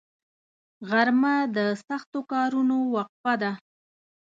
غرمه د سختو کارونو وقفه ده